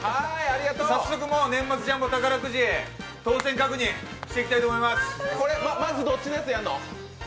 早速、年末ジャンボ宝くじ当選確認していきたいと思います。